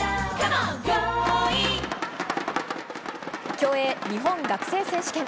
競泳・日本学生選手権。